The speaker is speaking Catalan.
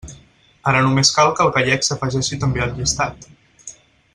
Ara només cal que el gallec s'afegeixi també al llistat.